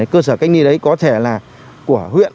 cơ sở cách ly đấy có thể là của huyện